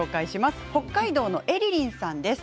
北海道の方です。